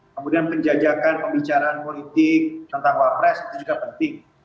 kemudian penjajakan pembicaraan politik tentang wapres itu juga penting